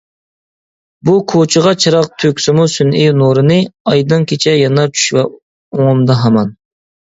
بۇ كوچىغا چىراغ تۆكسىمۇ سۈنئىي نۇرىنى، ئايدىڭ كېچە يانار چۈش ۋە ئوڭۇمدا ھامان!